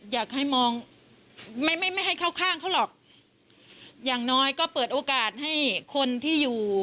อยากให้มองไม่ไม่ให้เข้าข้างเขาหรอกอย่างน้อยก็เปิดโอกาสให้คนที่อยู่